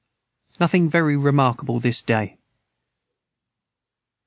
Nothing very remarkable this day.